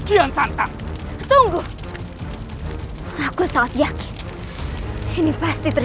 yang memberikan kuat pastiin